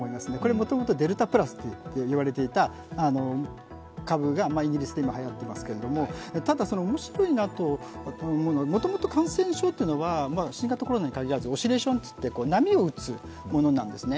もともとデルタプラスと言われていた株がイギリスで今はやっていますけれども、ただ、面白いなと思うのは、もともと感染症というのは新型コロナに限らずオシレーションといって波を打つものなんですね。